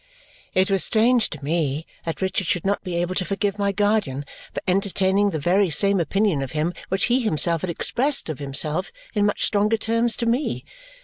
It was strange to me that Richard should not be able to forgive my guardian for entertaining the very same opinion of him which he himself had expressed of himself in much stronger terms to me.